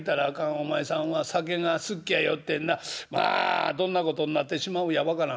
お前さんは酒が好っきやよってなまあどんなことになってしまうや分からん。